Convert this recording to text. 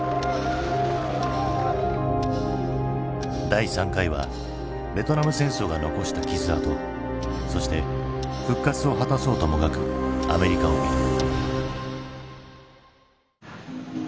第３回はベトナム戦争が残した傷痕そして復活を果たそうともがくアメリカを見る。